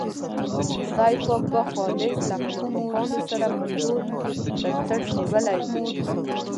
خدای پاک به خالص له منافقینو سره په تور تر څټ نیولی وي.